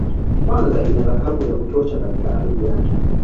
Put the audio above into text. Kwanza ina dhahabu ya kutosha katika ardhi yake